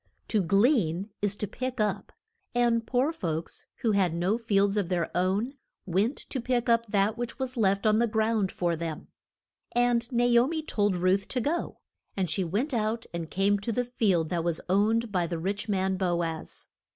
To glean is to pick up. And poor folks, who had no fields of their own, went to pick up that which was left on the ground for them. [Illustration: RUTH.] And Na o mi told Ruth to go. And she went out and came to the field that was owned by the rich man, Bo az.